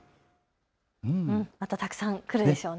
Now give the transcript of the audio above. またたくさん来るでしょうね。